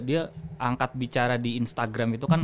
dia angkat bicara di instagram itu kan